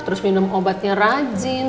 terus minum obatnya rajin